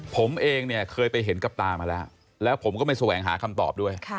ผมเองเนี่ยเคยไปเห็นกับตามาแล้วแล้วผมก็ไม่แสวงหาคำตอบด้วย